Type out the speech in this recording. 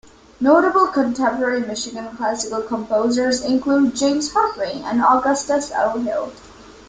Notable contemporary Michigan classical composers include James Hartway and Augustus O. Hill.